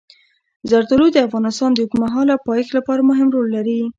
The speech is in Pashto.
زردالو د افغانستان د اوږدمهاله پایښت لپاره مهم رول لري.